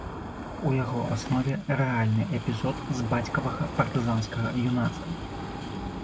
У яго аснове рэальны эпізод з бацькавага партызанскага юнацтва.